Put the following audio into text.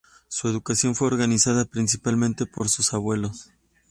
Su educación fue organizada principalmente por sus abuelos.